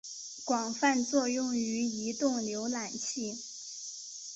广泛作用于移动浏览器。